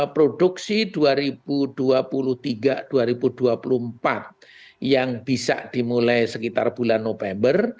produksi dua ribu dua puluh tiga dua ribu dua puluh empat yang bisa dimulai sekitar bulan november